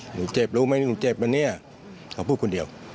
หนูเจ็บรู้ไหมหนูเจ็บนะเนี่ยเขาพูดคนเดียว